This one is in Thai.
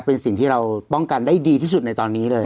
เป็นสิ่งที่เราป้องกันได้ดีที่สุดในตอนนี้เลย